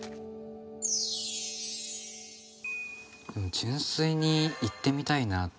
純粋に行ってみたいなって。